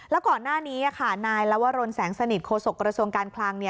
แล้วก่อนหน้านี้นายลวรนแสงสนิทโฆษกระทรวงการคลัง